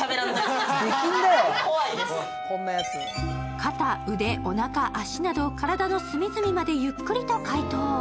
肩、腕、おなか、脚など、体の隅々までゆっくりと解凍。